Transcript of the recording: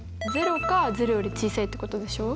０か０より小さいってことでしょ？